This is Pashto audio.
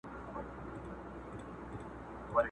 څوك به اوري فريادونه د زخميانو،